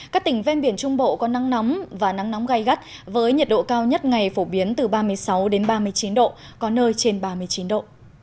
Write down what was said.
các tỉnh ven biển trung bộ có nắng nóng và nắng nóng gai gắt với nhiệt độ cao nhất ngày phổ biến từ ba mươi sáu ba mươi chín độ có nơi trên ba mươi chín độ